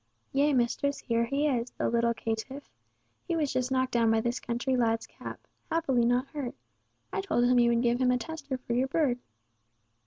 "Yea, mistress, here he is, the little caitiff. He was just knocked down by this country lad's cap—happily not hurt. I told him you would give him a tester for your bird."